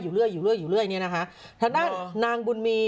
เรื่อยอยู่เรื่อยอยู่เรื่อยเนี้ยนะคะทางด้านนางบุญมี